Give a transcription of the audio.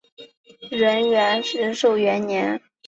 仁寿元年。